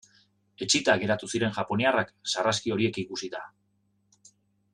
Etsita geratu ziren japoniarrak sarraski horiek ikusita.